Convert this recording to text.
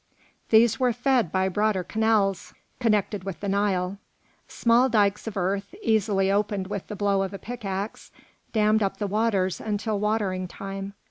These were fed by broader canals connected with the Nile. Small dikes of earth, easily opened with a blow of a pickaxe, dammed up the waters until watering time.